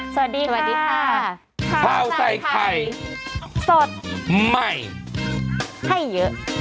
สวัสดีค่ะข้าวใส่ไข่สดใหม่ให้เยอะ